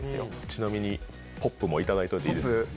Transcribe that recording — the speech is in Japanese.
ちなみにポップもいただいといていいですか？